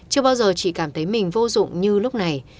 chưa bao giờ chị cảm thấy mình vô dụng như lúc này